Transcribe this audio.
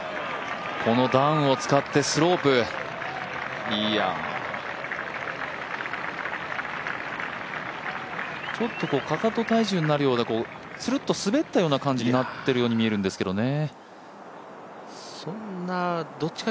この段を使ってスロープいやちょっとかかと体重になるようで、つるっと滑るような感じになってると思うんですけどね。